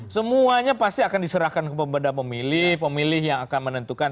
semuanya pasti akan diserahkan kepada pemilih pemilih yang akan menentukan